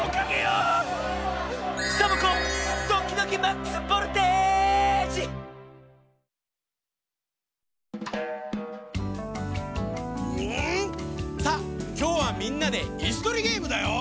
うん！さあきょうはみんなでいすとりゲームだよ。